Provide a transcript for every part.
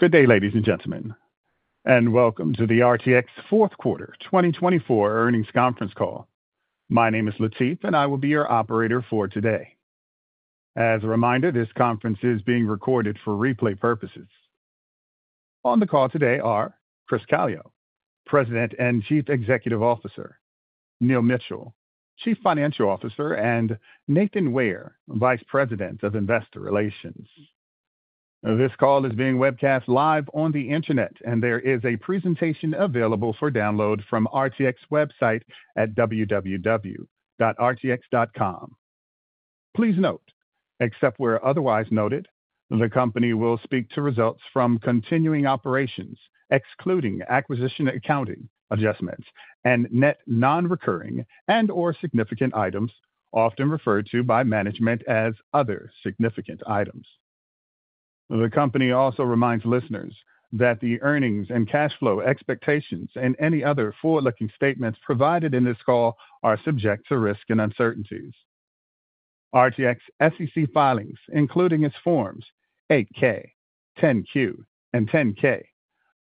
Good day, ladies and gentlemen, and welcome to the RTX Fourth Quarter 2024 Earnings Conference Call. My name is Latif, and I will be your operator for today. As a reminder, this conference is being recorded for replay purposes. On the call today are Chris Calio, President and Chief Executive Officer; Neil Mitchill, Chief Financial Officer; and Nathan Ware, Vice President of Investor Relations. This call is being webcast live on the internet, and there is a presentation available for download from the RTX website at www.rtx.com. Please note, except where otherwise noted, the company will speak to results from continuing operations, excluding acquisition accounting adjustments and net non-recurring and/or significant items, often referred to by management as other significant items. The company also reminds listeners that the earnings and cash flow expectations and any other forward-looking statements provided in this call are subject to risk and uncertainties. RTX SEC filings, including its Forms 8-K, 10-Q, and 10-K,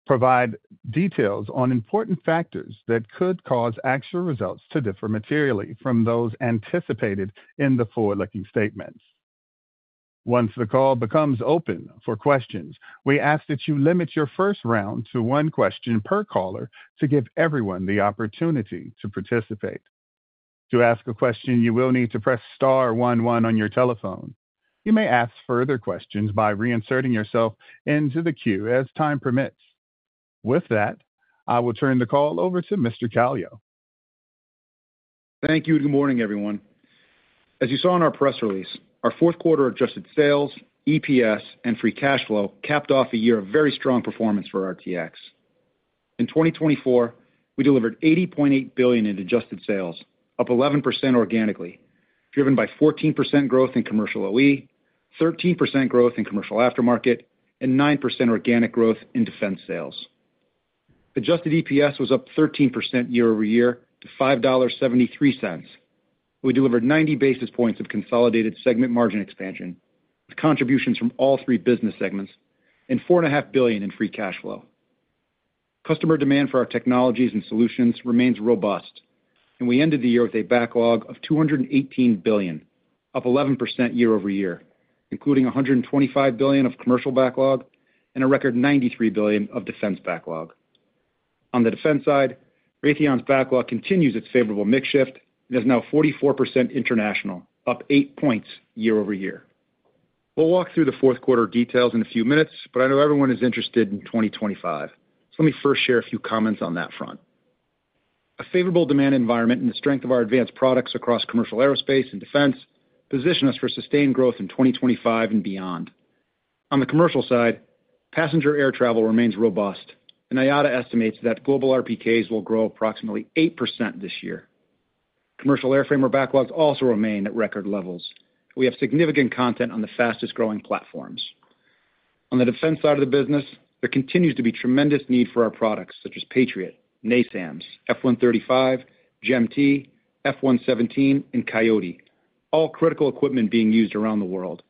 provide details on important factors that could cause actual results to differ materially from those anticipated in the forward-looking statements. Once the call becomes open for questions, we ask that you limit your first round to one question per caller to give everyone the opportunity to participate. To ask a question, you will need to press star one, one on your telephone. You may ask further questions by reinserting yourself into the queue as time permits. With that, I will turn the call over to Mr. Calio. Thank you, and good morning, everyone. As you saw in our press release, our fourth quarter adjusted sales, EPS, and free cash flow capped off a year of very strong performance for RTX. In 2024, we delivered $80.8 billion in adjusted sales, up 11% organically, driven by 14% growth in Commercial OE, 13% growth in Commercial Aftermarket, and 9% organic growth in Defense sales. Adjusted EPS was up 13% year-over-year to $5.73. We delivered 90 basis points of consolidated segment margin expansion with contributions from all three business segments and $4.5 billion in free cash flow. Customer demand for our technologies and solutions remains robust, and we ended the year with a backlog of $218 billion, up 11% year-over-year, including $125 billion of commercial backlog and a record $93 billion of defense backlog. On the Defense side, Raytheon's backlog continues its favorable mix shift and is now 44% international, up eight points year-over-year. We'll walk through the fourth quarter details in a few minutes, but I know everyone is interested in 2025, so let me first share a few comments on that front. A favorable demand environment and the strength of our advanced products across commercial aerospace and defense position us for sustained growth in 2025 and beyond. On the commercial side, passenger air travel remains robust, and IATA estimates that global RPKs will grow approximately 8% this year. Commercial airframer backlogs also remain at record levels, and we have significant content on the fastest growing platforms. On the defense side of the business, there continues to be tremendous need for our products such as Patriot, NASAMS, F135, GEM-T, F117, and Coyote, all critical equipment being used around the world.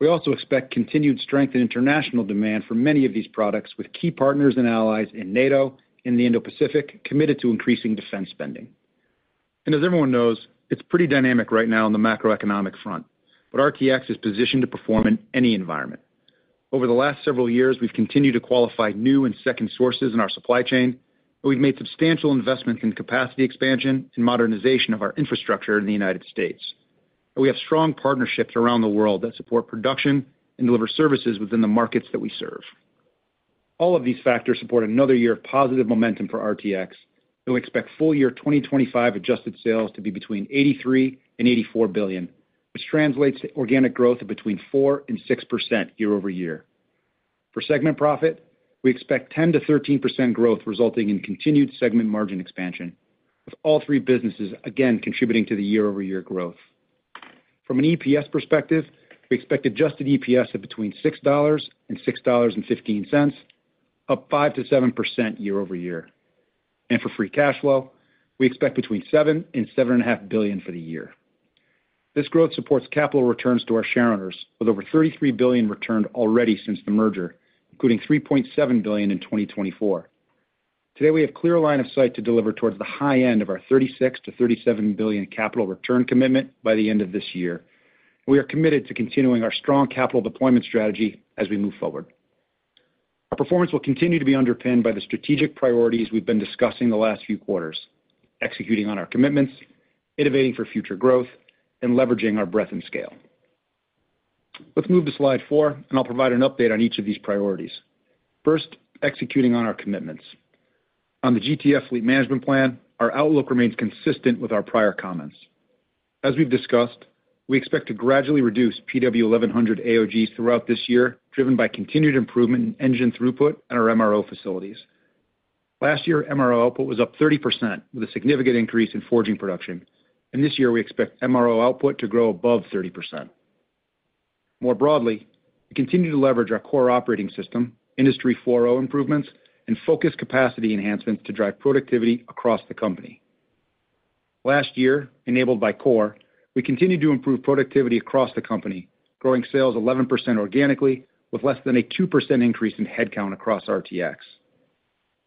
We also expect continued strength in international demand for many of these products, with key partners and allies in NATO and the Indo-Pacific committed to increasing defense spending, and as everyone knows, it's pretty dynamic right now on the macroeconomic front, but RTX is positioned to perform in any environment. Over the last several years, we've continued to qualify new and second sources in our supply chain, and we've made substantial investments in capacity expansion and modernization of our infrastructure in the United States. We have strong partnerships around the world that support production and deliver services within the markets that we serve. All of these factors support another year of positive momentum for RTX. We expect full year 2025 adjusted sales to be between $83 billion and $84 billion, which translates to organic growth of between 4% and 6% year-over-year. For segment profit, we expect 10% to 13% growth, resulting in continued segment margin expansion, with all three businesses again contributing to the year-over-year growth. From an EPS perspective, we expect adjusted EPS of between $6 and $6.15, up 5%-7% year-over-year. And for free cash flow, we expect between $7 and $7.5 billion for the year. This growth supports capital returns to our share owners, with over $33 billion returned already since the merger, including $3.7 billion in 2024. Today, we have a clear line of sight to deliver towards the high end of our $36 billion-$37 billion capital return commitment by the end of this year, and we are committed to continuing our strong capital deployment strategy as we move forward. Our performance will continue to be underpinned by the strategic priorities we've been discussing the last few quarters: executing on our commitments, innovating for future growth, and leveraging our breadth and scale. Let's move to slide four, and I'll provide an update on each of these priorities. First, executing on our commitments. On the GTF fleet management plan, our outlook remains consistent with our prior comments. As we've discussed, we expect to gradually reduce PW1100 AOGs throughout this year, driven by continued improvement in engine throughput and our MRO facilities. Last year, MRO output was up 30%, with a significant increase in forging production, and this year we expect MRO output to grow above 30%. More broadly, we continue to leverage our CORE operating system, Industry 4.0 improvements, and focus capacity enhancements to drive productivity across the company. Last year, enabled by CORE, we continued to improve productivity across the company, growing sales 11% organically, with less than a 2% increase in headcount across RTX.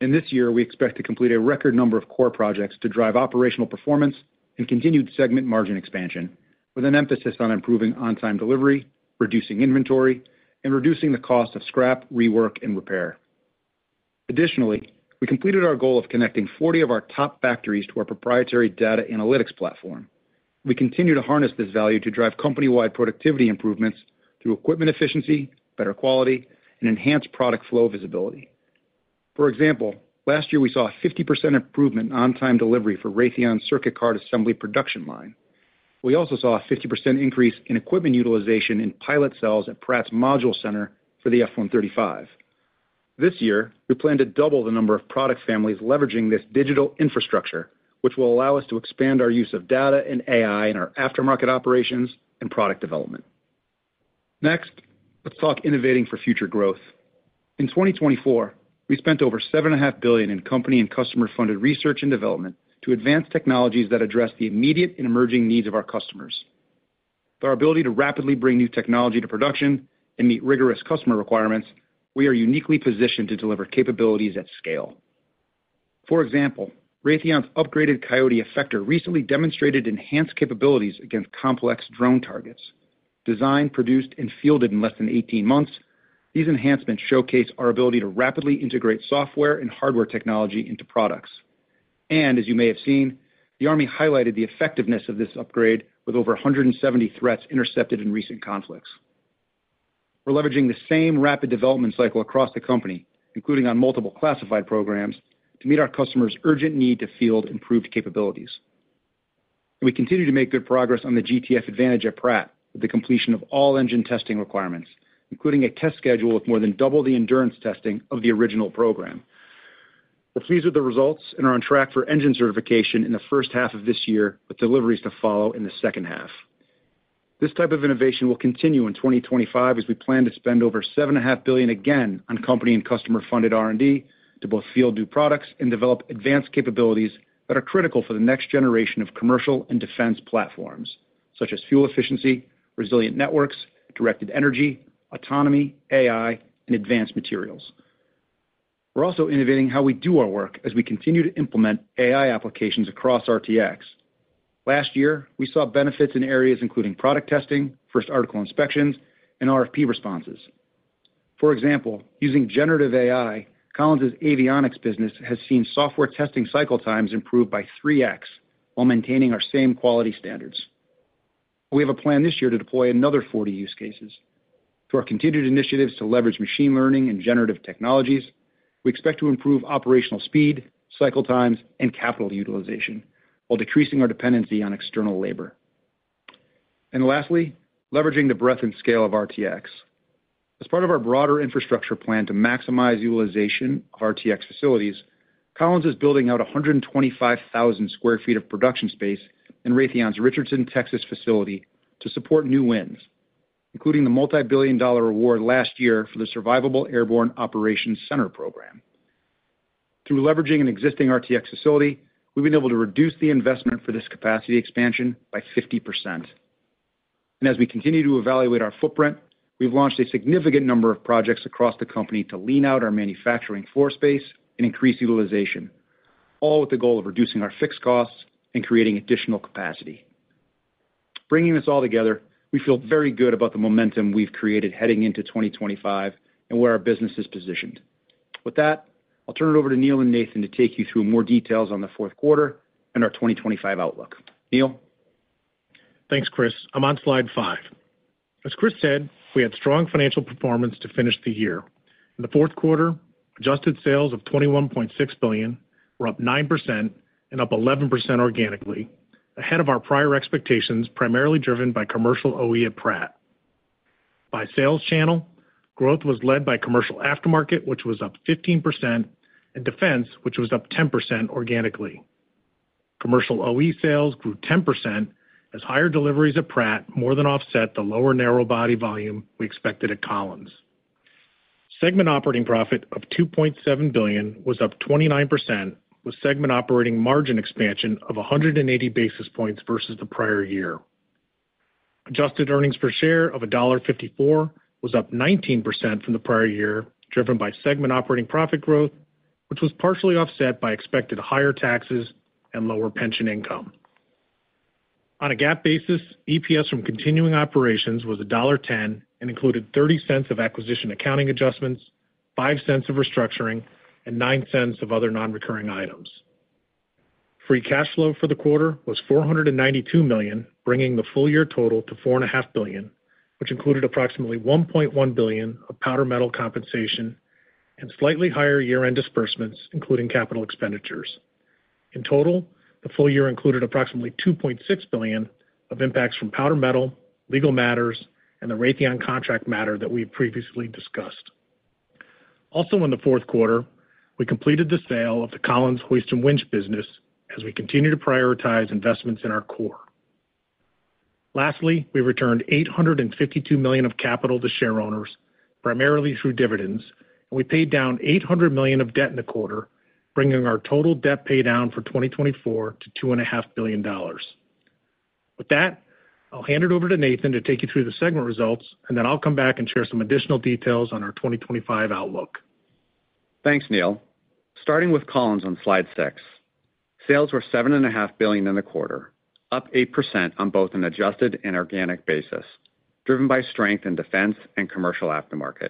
In this year, we expect to complete a record number of CORE projects to drive operational performance and continued segment margin expansion, with an emphasis on improving on-time delivery, reducing inventory, and reducing the cost of scrap, rework, and repair. Additionally, we completed our goal of connecting 40 of our top factories to our proprietary data analytics platform. We continue to harness this value to drive company-wide productivity improvements through equipment efficiency, better quality, and enhanced product flow visibility. For example, last year we saw a 50% improvement in on-time delivery for Raytheon's circuit card assembly production line. We also saw a 50% increase in equipment utilization in pilot cells at Pratt's module center for the F135. This year, we plan to double the number of product families leveraging this digital infrastructure, which will allow us to expand our use of data and AI in our aftermarket operations and product development. Next, let's talk innovating for future growth. In 2024, we spent over $7.5 billion in company and customer-funded research and development to advance technologies that address the immediate and emerging needs of our customers. With our ability to rapidly bring new technology to production and meet rigorous customer requirements, we are uniquely positioned to deliver capabilities at scale. For example, Raytheon's upgraded Coyote effector recently demonstrated enhanced capabilities against complex drone targets. Designed, produced, and fielded in less than 18 months, these enhancements showcase our ability to rapidly integrate software and hardware technology into products. As you may have seen, the Army highlighted the effectiveness of this upgrade with over 170 threats intercepted in recent conflicts. We're leveraging the same rapid development cycle across the company, including on multiple classified programs, to meet our customers' urgent need to field improved capabilities. We continue to make good progress on the GTF Advantage at Pratt with the completion of all engine testing requirements, including a test schedule with more than double the endurance testing of the original program. We're pleased with the results and are on track for engine certification in the first half of this year, with deliveries to follow in the second half. This type of innovation will continue in 2025 as we plan to spend over $7.5 billion again on company and customer-funded R&D to both field new products and develop advanced capabilities that are critical for the next generation of commercial and defense platforms, such as fuel efficiency, resilient networks, directed energy, autonomy, AI, and advanced materials. We're also innovating how we do our work as we continue to implement AI applications across RTX. Last year, we saw benefits in areas including product testing, first article inspections, and RFP responses. For example, using generative AI, Collins's avionics business has seen software testing cycle times improve by 3x while maintaining our same quality standards. We have a plan this year to deploy another 40 use cases. Through our continued initiatives to leverage machine learning and generative technologies, we expect to improve operational speed, cycle times, and capital utilization while decreasing our dependency on external labor. And lastly, leveraging the breadth and scale of RTX. As part of our broader infrastructure plan to maximize utilization of RTX facilities, Collins is building out 125,000 sq ft of production space in Raytheon's Richardson, Texas, facility to support new wins, including the multi-billion-dollar award last year for the Survivable Airborne Operations Center program. Through leveraging an existing RTX facility, we've been able to reduce the investment for this capacity expansion by 50%. And as we continue to evaluate our footprint, we've launched a significant number of projects across the company to lean out our manufacturing footprint and increase utilization, all with the goal of reducing our fixed costs and creating additional capacity. Bringing this all together, we feel very good about the momentum we've created heading into 2025 and where our business is positioned. With that, I'll turn it over to Neil and Nathan to take you through more details on the fourth quarter and our 2025 outlook. Neil? Thanks, Chris. I'm on slide five. As Chris said, we had strong financial performance to finish the year. In the fourth quarter, adjusted sales of $21.6 billion were up 9% and up 11% organically, ahead of our prior expectations primarily driven by Commercial OE at Pratt. By sales channel, growth was led by Commercial Aftermarket, which was up 15%, and defense, which was up 10% organically. Commercial OE sales grew 10% as higher deliveries at Pratt more than offset the lower narrowbody volume we expected at Collins. Segment operating profit of $2.7 billion was up 29%, with segment operating margin expansion of 180 basis points versus the prior year. Adjusted earnings per share of $1.54 was up 19% from the prior year, driven by segment operating profit growth, which was partially offset by expected higher taxes and lower pension income. On a GAAP basis, EPS from continuing operations was $1.10 and included $0.30 of acquisition accounting adjustments, $0.05 of restructuring, and $0.09 of other non-recurring items. Free cash flow for the quarter was $492 million, bringing the full-year total to $4.5 billion, which included approximately $1.1 billion of powder metal compensation and slightly higher year-end disbursements, including capital expenditures. In total, the full year included approximately $2.6 billion of impacts from powder metal, legal matters, and the Raytheon contract matter that we previously discussed. Also, in the fourth quarter, we completed the sale of the Collins Hoist & Winch business as we continue to prioritize investments in our core. Lastly, we returned $852 million of capital to share owners, primarily through dividends, and we paid down $800 million of debt in the quarter, bringing our total debt paydown for 2024 to $2.5 billion. With that, I'll hand it over to Nathan to take you through the segment results, and then I'll come back and share some additional details on our 2025 outlook. Thanks, Neil. Starting with Collins on slide six, sales were $7.5 billion in the quarter, up 8% on both an adjusted and organic basis, driven by strength in defense and Commercial Aftermarket.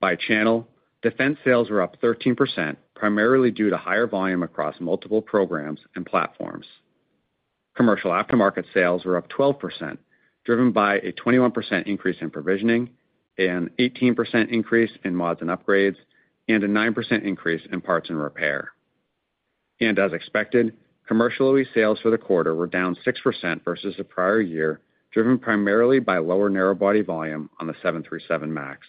By channel, defense sales were up 13%, primarily due to higher volume across multiple programs and platforms. Commercial Aftermarket sales were up 12%, driven by a 21% increase in provisioning, an 18% increase in mods and upgrades, and a 9% increase in parts and repair. And as expected, Commercial OE sales for the quarter were down 6% versus the prior year, driven primarily by lower narrow body volume on the 737 MAX.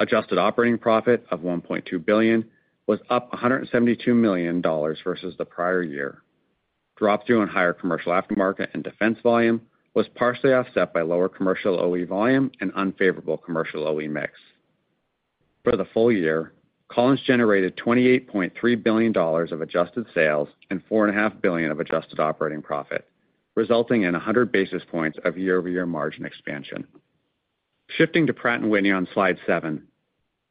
Adjusted operating profit of $1.2 billion was up $172 million versus the prior year. Drop through on higher Commercial Aftermarket and defense volume was partially offset by lower Commercial OE volume and unfavorable Commercial OE mix. For the full year, Collins generated $28.3 billion of adjusted sales and $4.5 billion of adjusted operating profit, resulting in 100 basis points of year-over-year margin expansion. Shifting to Pratt & Whitney on slide seven,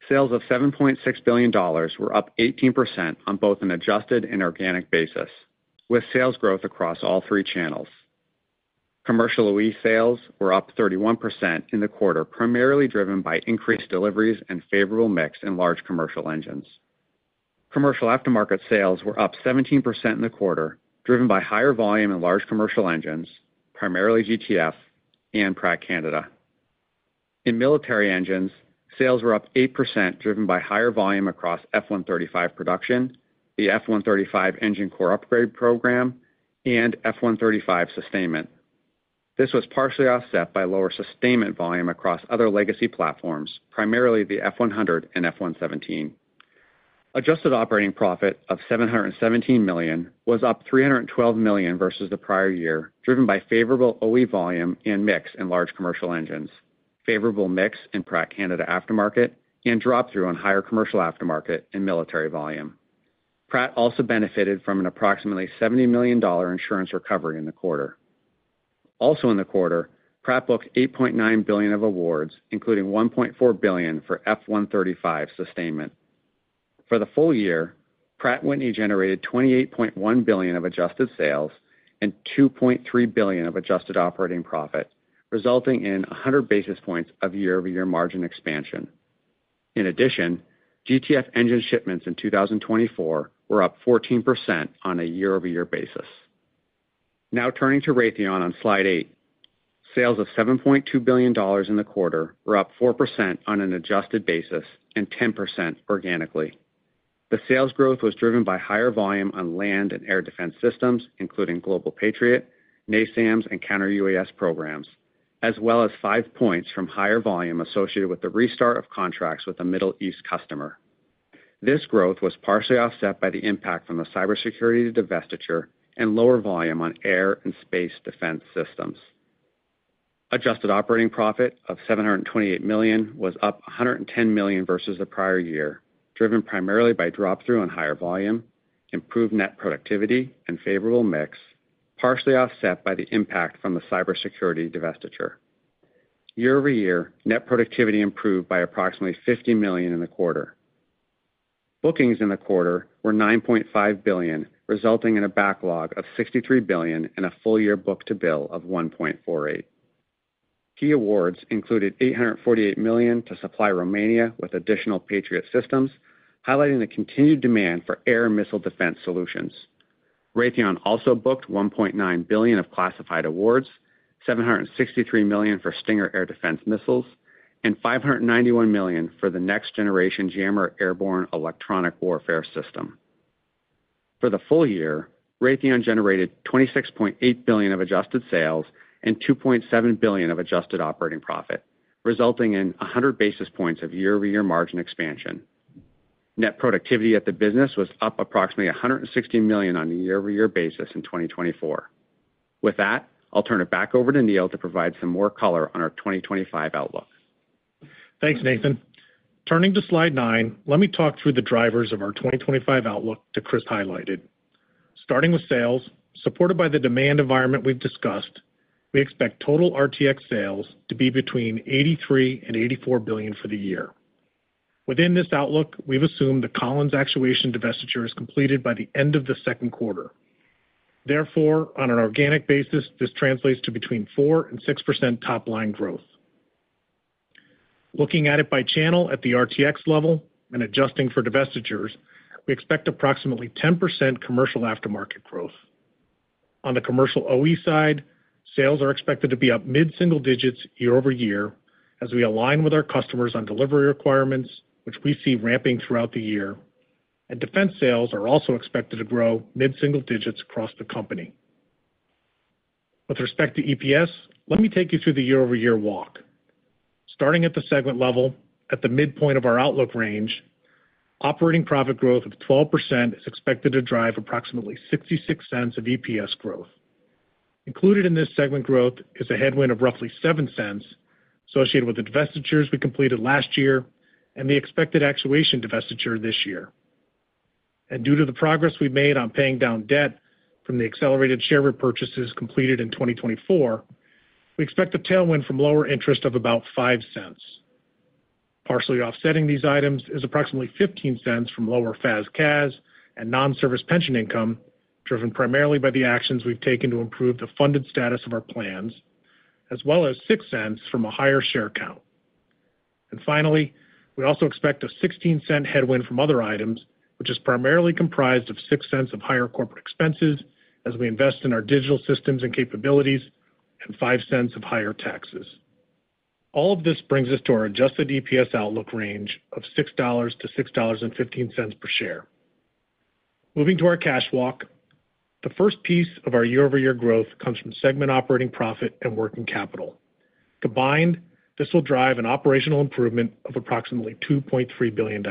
sales of $7.6 billion were up 18% on both an adjusted and organic basis, with sales growth across all three channels. Commercial OE sales were up 31% in the quarter, primarily driven by increased deliveries and favorable mix in Large Commercial Engines. Commercial Aftermarket sales were up 17% in the quarter, driven by higher volume in Large Commercial Engines, primarily GTF and Pratt Canada. In Military Engines, sales were up 8%, driven by higher volume across F135 production, the F135 Engine Core Upgrade program, and F135 sustainment. This was partially offset by lower sustainment volume across other legacy platforms, primarily the F100 and F117. Adjusted operating profit of $717 million was up $312 million versus the prior year, driven by favorable OE volume and mix in Large Commercial Engines, favorable mix in Pratt Canada aftermarket, and drop through on higher Commercial Aftermarket and Military volume. Pratt also benefited from an approximately $70 million insurance recovery in the quarter. Also in the quarter, Pratt booked $8.9 billion of awards, including $1.4 billion for F135 sustainment. For the full year, Pratt & Whitney generated $28.1 billion of adjusted sales and $2.3 billion of adjusted operating profit, resulting in 100 basis points of year-over-year margin expansion. In addition, GTF engine shipments in 2024 were up 14% on a year-over-year basis. Now turning to Raytheon on slide eight, sales of $7.2 billion in the quarter were up 4% on an adjusted basis and 10% organically. The sales growth was driven by higher volume on Land and Air Defense Systems, including Global Patriot, NASAMS, and Counter-UAS programs, as well as 5 points from higher volume associated with the restart of contracts with a Middle East customer. This growth was partially offset by the impact from the cybersecurity divestiture and lower volume on Air and Space Defense Systems. Adjusted operating profit of $728 million was up $110 million versus the prior year, driven primarily by drop through on higher volume, improved net productivity, and favorable mix, partially offset by the impact from the cybersecurity divestiture. Year-over-year, net productivity improved by approximately $50 million in the quarter. Bookings in the quarter were $9.5 billion, resulting in a backlog of $63 billion and a full-year book-to-bill of 1.48. Key awards included $848 million to supply Romania with additional Patriot systems, highlighting the continued demand for air and missile defense solutions. Raytheon also booked $1.9 billion of classified awards, $763 million for Stinger air defense missiles, and $591 million for the Next Generation Jammer airborne electronic warfare system. For the full year, Raytheon generated $26.8 billion of adjusted sales and $2.7 billion of adjusted operating profit, resulting in 100 basis points of year-over-year margin expansion. Net productivity at the business was up approximately $160 million on a year-over-year basis in 2024. With that, I'll turn it back over to Neil to provide some more color on our 2025 outlook. Thanks, Nathan. Turning to slide nine, let me talk through the drivers of our 2025 outlook that Chris highlighted. Starting with sales, supported by the demand environment we've discussed, we expect total RTX sales to be between $83 billion and $84 billion for the year. Within this outlook, we've assumed the Collins actuation divestiture is completed by the end of the second quarter. Therefore, on an organic basis, this translates to between 4% and 6% top line growth. Looking at it by channel at the RTX level and adjusting for divestitures, we expect approximately 10% Commercial Aftermarket growth. On the Commercial OE side, sales are expected to be up mid-single digits year-over-year as we align with our customers on delivery requirements, which we see ramping throughout the year. Defense sales are also expected to grow mid-single digits across the company. With respect to EPS, let me take you through the year-over-year walk. Starting at the segment level, at the midpoint of our outlook range, operating profit growth of 12% is expected to drive approximately $0.66 of EPS growth. Included in this segment growth is a headwind of roughly $0.07 associated with the divestitures we completed last year and the expected actuation divestiture this year, and due to the progress we've made on paying down debt from the accelerated share repurchases completed in 2024, we expect a tailwind from lower interest of about $0.05. Partially offsetting these items is approximately $0.15 from lower FAS/CAS and non-service pension income, driven primarily by the actions we've taken to improve the funded status of our plans, as well as $0.06 from a higher share count. Finally, we also expect a $0.16 headwind from other items, which is primarily comprised of $0.06 of higher corporate expenses as we invest in our digital systems and capabilities and $0.05 of higher taxes. All of this brings us to our Adjusted EPS outlook range of $6-$6.15 per share. Moving to our cash walk, the first piece of our year-over-year growth comes from segment operating profit and working capital. Combined, this will drive an operational improvement of approximately $2.3 billion.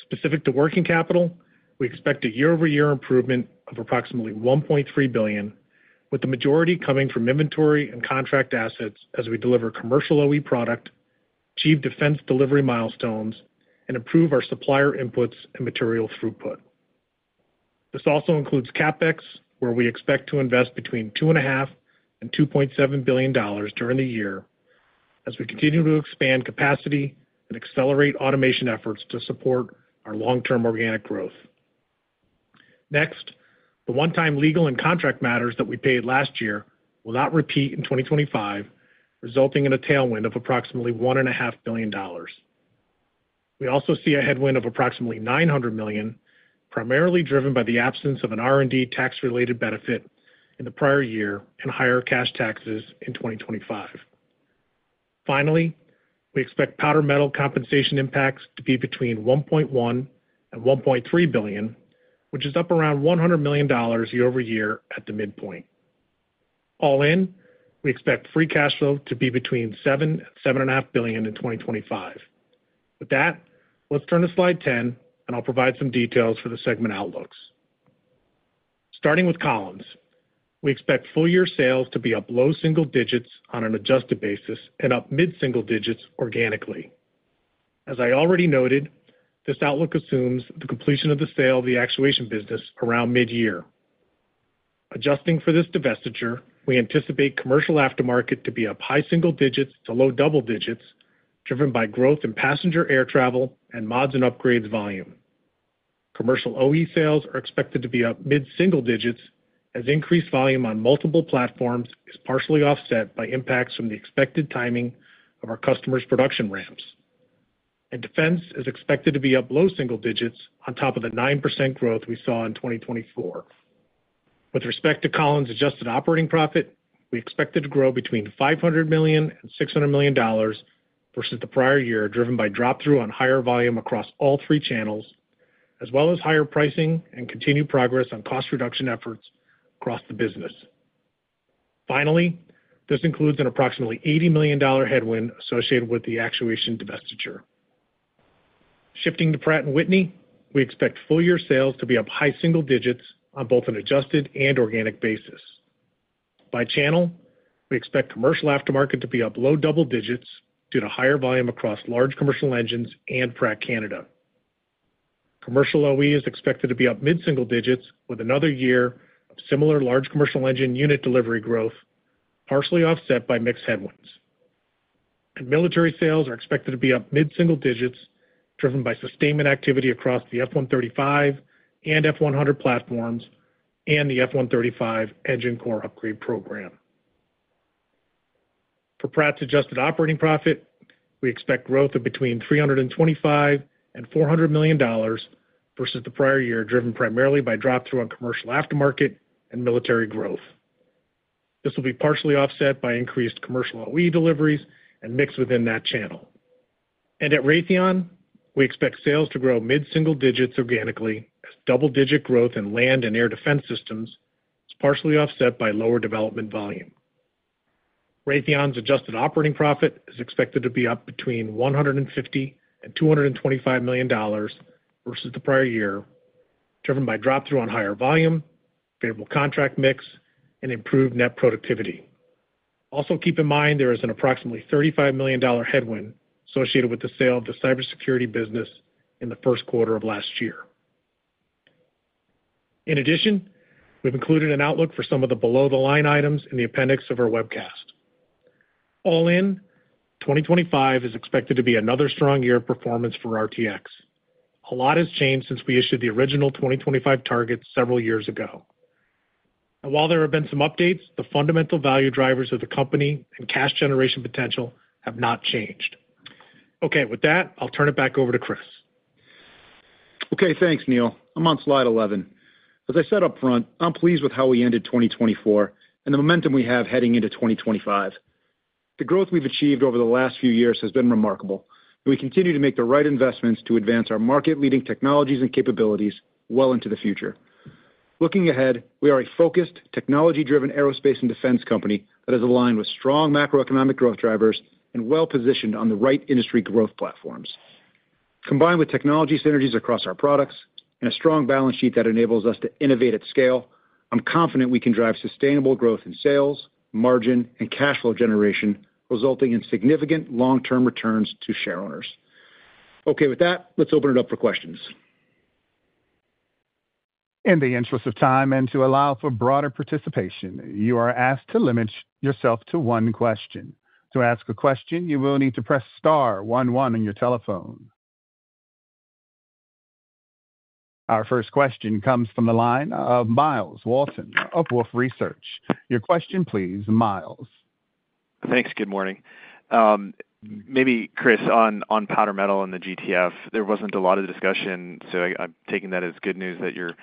Specific to working capital, we expect a year-over-year improvement of approximately $1.3 billion, with the majority coming from inventory and contract assets as we deliver Commercial OE product, achieve defense delivery milestones, and improve our supplier inputs and material throughput. This also includes CapEx, where we expect to invest between $2.5 billion-$2.7 billion during the year as we continue to expand capacity and accelerate automation efforts to support our long-term organic growth. Next, the one-time legal and contract matters that we paid last year will not repeat in 2025, resulting in a tailwind of approximately $1.5 billion. We also see a headwind of approximately $900 million, primarily driven by the absence of an R&D tax-related benefit in the prior year and higher cash taxes in 2025. Finally, we expect powder metal compensation impacts to be between $1.1 billion-$1.3 billion, which is up around $100 million year-over-year at the midpoint. All in, we expect free cash flow to be between $7 billion-$7.5 billion in 2025. With that, let's turn to slide 10, and I'll provide some details for the segment outlooks. Starting with Collins, we expect full-year sales to be up low-single digits on an adjusted basis and up mid-single digits organically. As I already noted, this outlook assumes the completion of the sale of the actuation business around mid-year. Adjusting for this divestiture, we anticipate Commercial Aftermarket to be up high-single digits to low-double digits, driven by growth in passenger air travel and mods and upgrades volume. Commercial OE sales are expected to be up mid-single digits as increased volume on multiple platforms is partially offset by impacts from the expected timing of our customers' production ramps, and defense is expected to be up low-single digits on top of the 9% growth we saw in 2024. With respect to Collins' adjusted operating profit, we expect it to grow between $500 million and $600 million versus the prior year, driven by drop through on higher volume across all three channels, as well as higher pricing and continued progress on cost reduction efforts across the business. Finally, this includes an approximately $80 million headwind associated with the actuation divestiture. Shifting to Pratt & Whitney, we expect full year sales to be up high-single digits on both an adjusted and organic basis. By channel, we expect Commercial Aftermarket to be up low double digits due to higher volume across Large Commercial Engines and Pratt Canada. Commercial OE is expected to be up mid-single digits with another year of similar large commercial engine unit delivery growth, partially offset by mix headwinds. Military sales are expected to be up mid-single digits, driven by sustainment activity across the F135 and F100 platforms and the F135 Engine Core Upgrade program. For Pratt's adjusted operating profit, we expect growth of between $325 million and $400 million versus the prior year, driven primarily by drop through on Commercial Aftermarket and Military growth. This will be partially offset by increased Commercial OE deliveries and mix within that channel. At Raytheon, we expect sales to grow mid-single digits organically as double-digit growth in Land and Air Defense Systems is partially offset by lower development volume. Raytheon's adjusted operating profit is expected to be up between $150 million and $225 million versus the prior year, driven by drop through on higher volume, favorable contract mix, and improved net productivity. Also keep in mind there is an approximately $35 million headwind associated with the sale of the cybersecurity business in the first quarter of last year. In addition, we've included an outlook for some of the below-the-line items in the appendix of our webcast. All in, 2025 is expected to be another strong year of performance for RTX. A lot has changed since we issued the original 2025 targets several years ago, and while there have been some updates, the fundamental value drivers of the company and cash generation potential have not changed. Okay, with that, I'll turn it back over to Chris. Okay, thanks, Neil. I'm on slide 11. As I said upfront, I'm pleased with how we ended 2024 and the momentum we have heading into 2025. The growth we've achieved over the last few years has been remarkable. We continue to make the right investments to advance our market-leading technologies and capabilities well into the future. Looking ahead, we are a focused, technology-driven aerospace and defense company that is aligned with strong macroeconomic growth drivers and well-positioned on the right industry growth platforms. Combined with technology synergies across our products and a strong balance sheet that enables us to innovate at scale, I'm confident we can drive sustainable growth in sales, margin, and cash flow generation, resulting in significant long-term returns to shareholders. Okay, with that, let's open it up for questions. In the interest of time and to allow for broader participation, you are asked to limit yourself to one question. To ask a question, you will need to press star one, one on your telephone. Our first question comes from the line of Myles Walton of Wolfe Research. Your question, please, Myles. Thanks. Good morning. Maybe, Chris, on powder metal and the GTF, there wasn't a lot of discussion, so I'm taking that as good news that you're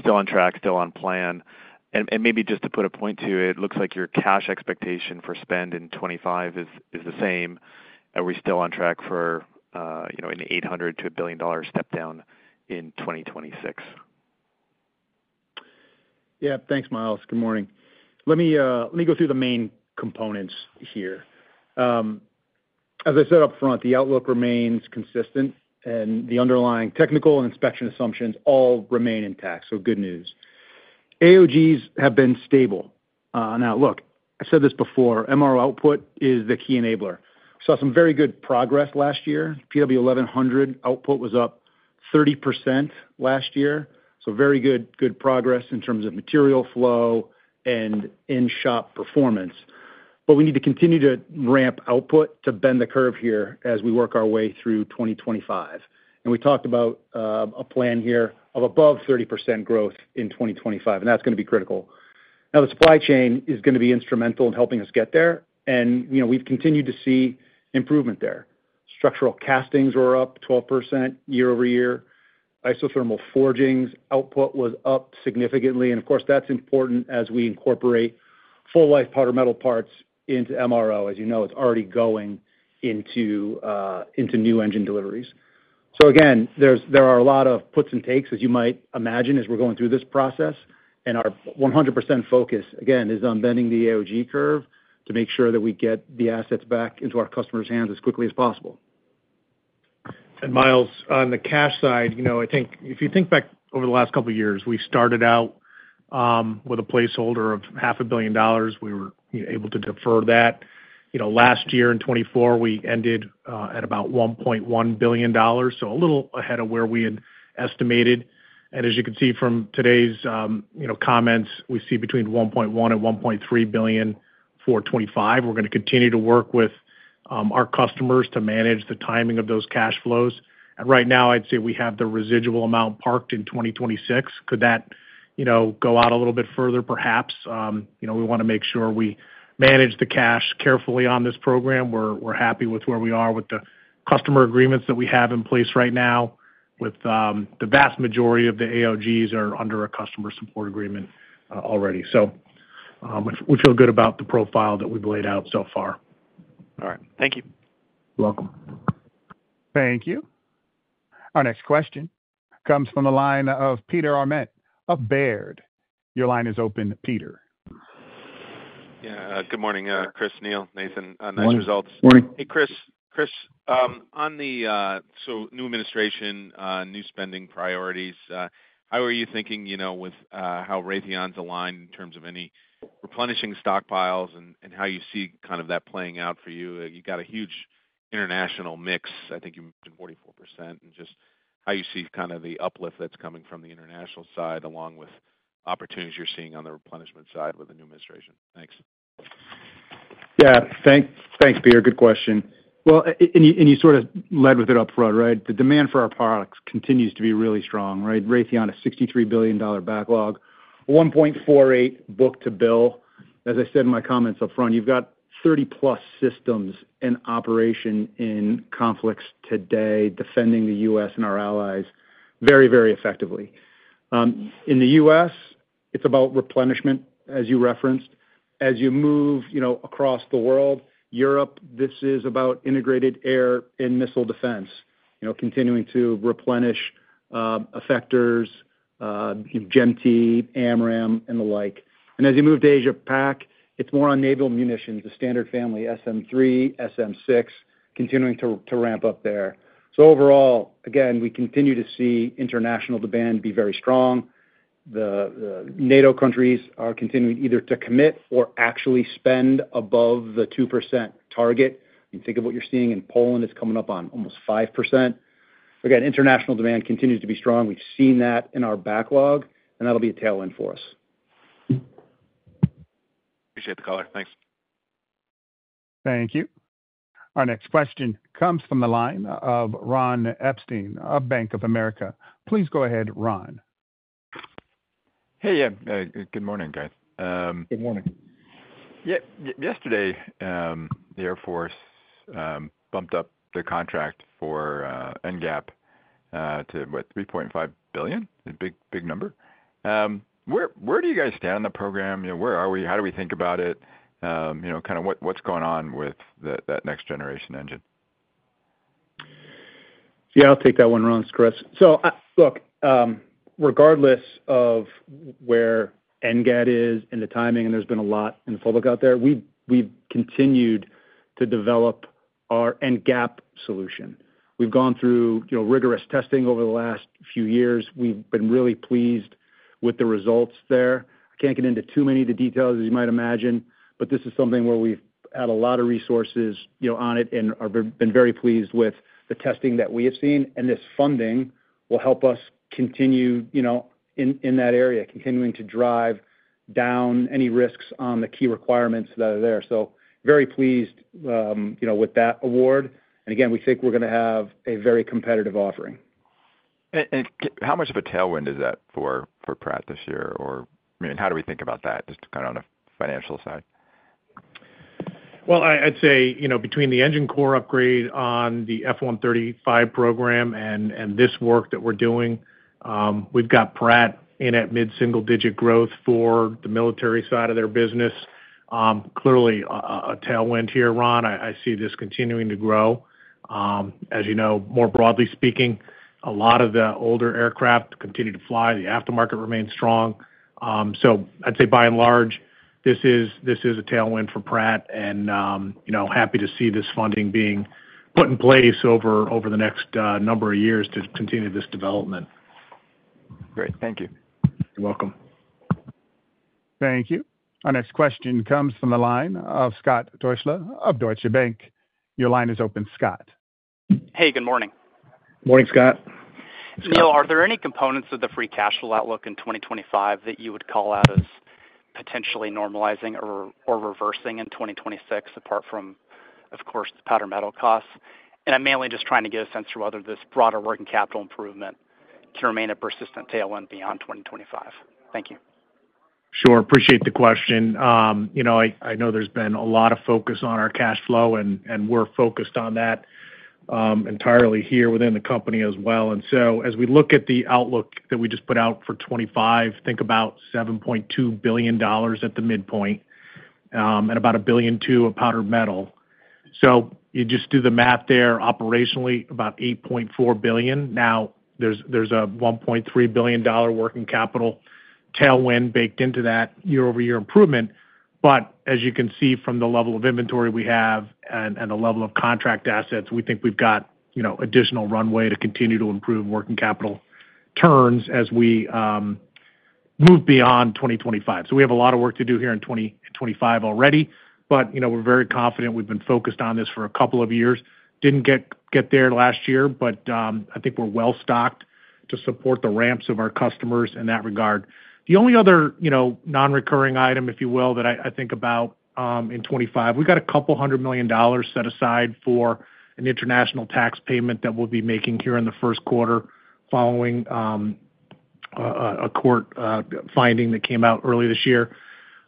still on track, still on plan. And maybe just to put a point to it, it looks like your cash expectation for spend in 2025 is the same. Are we still on track for an $800 million-$1 billion step down in 2026? Yeah, thanks, Myles. Good morning. Let me go through the main components here. As I said upfront, the outlook remains consistent, and the underlying technical and inspection assumptions all remain intact, so good news. AOGs have been stable. Now, look, I said this before, MRO output is the key enabler. We saw some very good progress last year. PW1100 output was up 30% last year, so very good progress in terms of material flow and in-shop performance. But we need to continue to ramp output to bend the curve here as we work our way through 2025. And we talked about a plan here of above 30% growth in 2025, and that's going to be critical. Now, the supply chain is going to be instrumental in helping us get there, and we've continued to see improvement there. Structural castings were up 12% year-over-year. Isothermal forgings output was up significantly. Of course, that's important as we incorporate full-life powder metal parts into MRO, as you know, it's already going into new engine deliveries. Again, there are a lot of puts and takes, as you might imagine, as we're going through this process. Our 100% focus, again, is on bending the AOG curve to make sure that we get the assets back into our customers' hands as quickly as possible. Myles, on the cash side, I think if you think back over the last couple of years, we started out with a placeholder of $500 million. We were able to defer that. Last year in 2024, we ended at about $1.1 billion, so a little ahead of where we had estimated. And as you can see from today's comments, we see between $1.1 billion and $1.3 billion for 2025. We're going to continue to work with our customers to manage the timing of those cash flows. And right now, I'd say we have the residual amount parked in 2026. Could that go out a little bit further, perhaps? We want to make sure we manage the cash carefully on this program. We're happy with where we are with the customer agreements that we have in place right now. The vast majority of the AOGs are under a customer support agreement already. So we feel good about the profile that we've laid out so far. All right. Thank you. You're welcome. Thank you. Our next question comes from the line of Peter Arment of Baird. Your line is open, Peter. Yeah. Good morning, Chris, Neil, Nathan. Nice results. Morning. Hey, Chris. Chris, on the new administration, new spending priorities, how are you thinking with how Raytheon's aligned in terms of any replenishing stockpiles and how you see kind of that playing out for you? You've got a huge international mix. I think you mentioned 44% and just how you see kind of the uplift that's coming from the international side along with opportunities you're seeing on the replenishment side with the new administration. Thanks. Yeah. Thanks, Peter. Good question. Well, and you sort of led with it upfront, right? The demand for our products continues to be really strong, right? Raytheon is a $63 billion backlog, 1.48 book-to-bill. As I said in my comments upfront, you've got 30+ systems in operation in conflicts today, defending the U.S. and our allies very, very effectively. In the U.S., it's about replenishment, as you referenced. As you move across the world, Europe, this is about integrated air and missile defense, continuing to replenish effectors, GEM-T, AMRAAM, and the like. And as you move to Asia-Pac, it's more on naval munitions, the Standard family SM-3, SM-6, continuing to ramp up there. So overall, again, we continue to see international demand be very strong. The NATO countries are continuing either to commit or actually spend above the 2% target. You think of what you're seeing in Poland, it's coming up on almost 5%. Again, international demand continues to be strong. We've seen that in our backlog, and that'll be a tailwind for us. Appreciate the color. Thanks. Thank you. Our next question comes from the line of Ron Epstein of Bank of America. Please go ahead, Ron. Hey, yeah. Good morning, guys. Good morning. Yesterday, the Air Force bumped up the contract for NGAP to, what, $3.5 billion? Big number. Where do you guys stand on the program? Where are we? How do we think about it? Kind of what's going on with that next-generation engine? Yeah, I'll take that one, Ron, it's Chris. So look, regardless of where NGAP is and the timing, and there's been a lot in the public out there, we've continued to develop our NGAP solution. We've gone through rigorous testing over the last few years. We've been really pleased with the results there. I can't get into too many of the details, as you might imagine, but this is something where we've had a lot of resources on it and have been very pleased with the testing that we have seen. And this funding will help us continue in that area, continuing to drive down any risks on the key requirements that are there. So very pleased with that award. And again, we think we're going to have a very competitive offering. How much of a tailwind is that for Pratt this year? Or I mean, how do we think about that, just kind of on a financial side? I'd say between the engine core upgrade on the F135 program and this work that we're doing, we've got Pratt in at mid-single-digit growth for the military side of their business. Clearly, a tailwind here, Ron. I see this continuing to grow. As you know, more broadly speaking, a lot of the older aircraft continue to fly. The aftermarket remains strong. So I'd say by and large, this is a tailwind for Pratt, and happy to see this funding being put in place over the next number of years to continue this development. Great. Thank you. You're welcome. Thank you. Our next question comes from the line of Scott Deuschle of Deutsche Bank. Your line is open, Scott. Hey, good morning. Morning, Scott. Neil, are there any components of the free cash flow outlook in 2025 that you would call out as potentially normalizing or reversing in 2026, apart from, of course, the powder metal costs? And I'm mainly just trying to get a sense for whether this broader working capital improvement can remain a persistent tailwind beyond 2025. Thank you. Sure. Appreciate the question. I know there's been a lot of focus on our cash flow, and we're focused on that entirely here within the company as well. And so as we look at the outlook that we just put out for 2025, think about $7.2 billion at the midpoint and about a billion to powder metal. So you just do the math there. Operationally, about $8.4 billion. Now, there's a $1.3 billion working capital tailwind baked into that year-over-year improvement. But as you can see from the level of inventory we have and the level of contract assets, we think we've got additional runway to continue to improve working capital turns as we move beyond 2025. So we have a lot of work to do here in 2025 already, but we're very confident. We've been focused on this for a couple of years. Didn't get there last year, but I think we're well stocked to support the ramps of our customers in that regard. The only other non-recurring item, if you will, that I think about in 2025, we've got couple of hundred million set aside for an international tax payment that we'll be making here in the first quarter following a court finding that came out early this year.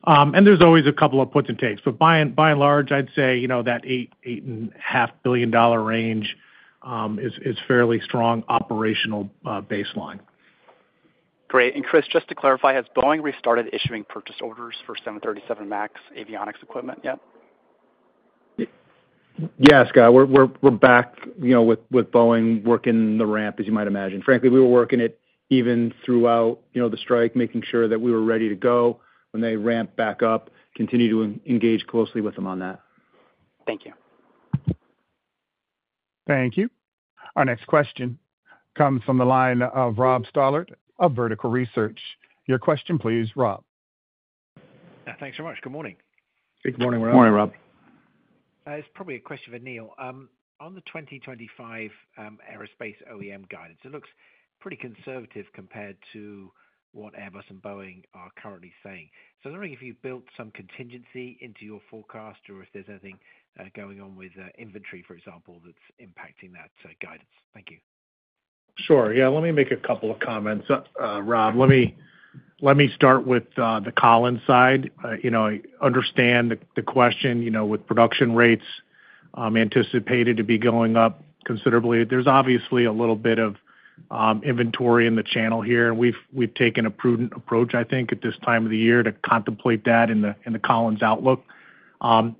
And there's always a couple of puts and takes. But by and large, I'd say that $8.5 billion range is fairly strong operational baseline. Great. And Chris, just to clarify, has Boeing restarted issuing purchase orders for 737 MAX avionics equipment yet? Yes, Scott. We're back with Boeing working the ramp, as you might imagine. Frankly, we were working it even throughout the strike, making sure that we were ready to go when they ramp back up, continue to engage closely with them on that. Thank you. Thank you. Our next question comes from the line of Rob Stallard of Vertical Research. Your question, please, Rob. Yeah, thanks so much. Good morning. Hey, good morning, Rob. Morning, Rob. It's probably a question for Neil. On the 2025 aerospace OEM guidance, it looks pretty conservative compared to what Airbus and Boeing are currently saying. So I'm wondering if you've built some contingency into your forecast or if there's anything going on with inventory, for example, that's impacting that guidance? Thank you. Sure. Yeah, let me make a couple of comments, Rob. Let me start with the Collins side. I understand the question with production rates anticipated to be going up considerably. There's obviously a little bit of inventory in the channel here, and we've taken a prudent approach, I think, at this time of the year to contemplate that in the Collins outlook.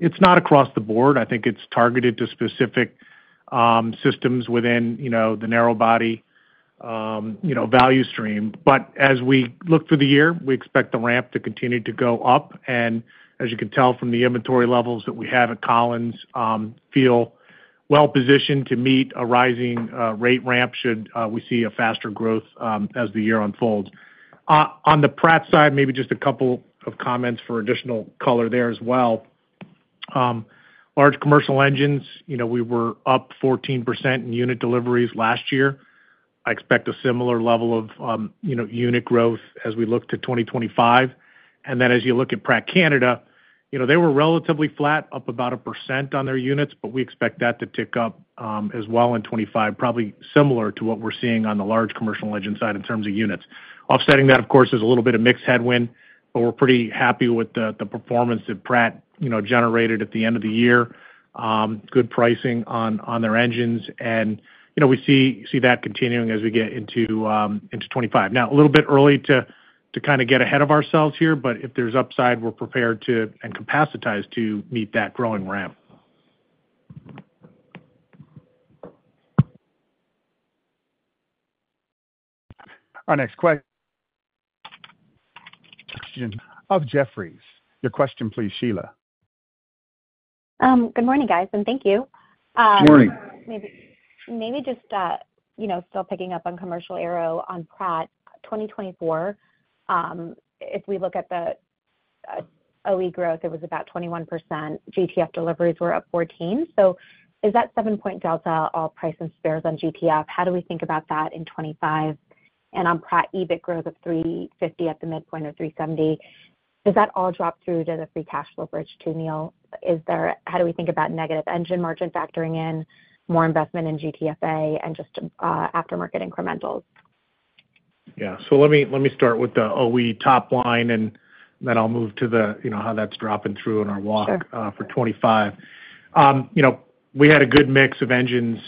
It's not across the board. I think it's targeted to specific systems within the narrowbody value stream. But as we look through the year, we expect the ramp to continue to go up. And as you can tell from the inventory levels that we have at Collins, we feel well-positioned to meet a rising rate ramp should we see a faster growth as the year unfolds. On the Pratt side, maybe just a couple of comments for additional color there as well. Large Commercial Engines, we were up 14% in unit deliveries last year. I expect a similar level of unit growth as we look to 2025, and then as you look at Pratt & Whitney Canada, they were relatively flat, up about 1% on their units, but we expect that to tick up as well in 2025, probably similar to what we're seeing on the large commercial engine side in terms of units. Offsetting that, of course, is a little bit of mixed headwind, but we're pretty happy with the performance that Pratt generated at the end of the year. Good pricing on their engines, and we see that continuing as we get into 2025. Now, a little bit early to kind of get ahead of ourselves here, but if there's upside, we're prepared and capacitized to meet that growing ramp. Our next question comes from Sheila Kahyaoglu of Jefferies. Your question, please, Sheila. Good morning, guys, and thank you. Good morning. Maybe just still picking up on Commercial Aero on Pratt 2024. If we look at the OE growth, it was about 21%. GTF deliveries were up 14%. So is that 7-point delta all price and spares on GTF? How do we think about that in 2025? And on Pratt EBIT growth of 350 at the midpoint or 370, does that all drop through to the free cash flow bridge too, Neil? How do we think about negative engine margin factoring in, more investment in GTFA, and just aftermarket incrementals? Yeah. So let me start with the OE top line, and then I'll move to how that's dropping through in our walk for 2025. We had a good mix of engines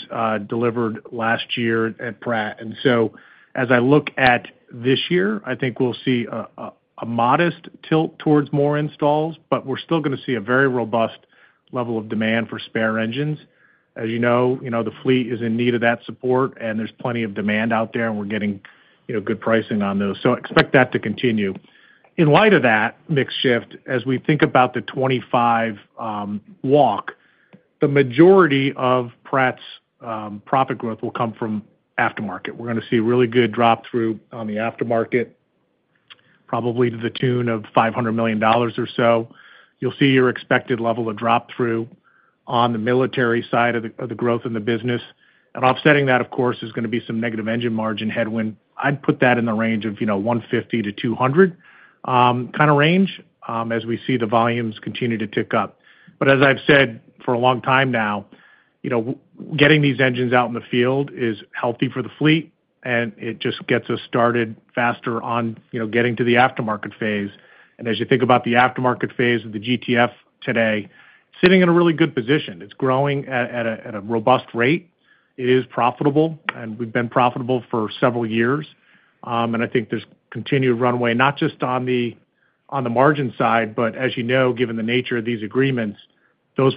delivered last year at Pratt. And so as I look at this year, I think we'll see a modest tilt towards more installs, but we're still going to see a very robust level of demand for spare engines. As you know, the fleet is in need of that support, and there's plenty of demand out there, and we're getting good pricing on those. So expect that to continue. In light of that mixed shift, as we think about the 2025 walk, the majority of Pratt's profit growth will come from aftermarket. We're going to see a really good drop through on the aftermarket, probably to the tune of $500 million or so. You'll see your expected level of drop through on the military side of the growth in the business. And offsetting that, of course, is going to be some negative engine margin headwind. I'd put that in the range of $150 million-$200 million kind of range as we see the volumes continue to tick up. But as I've said for a long time now, getting these engines out in the field is healthy for the fleet, and it just gets us started faster on getting to the aftermarket phase. And as you think about the aftermarket phase of the GTF today, sitting in a really good position. It's growing at a robust rate. It is profitable, and we've been profitable for several years. I think there's continued runway, not just on the margin side, but as you know, given the nature of these agreements, those